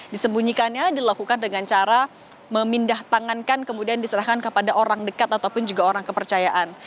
disembunyikannya dilakukan dengan cara memindah tangankan kemudian diserahkan kepada orang dekat ataupun juga orang kepercayaan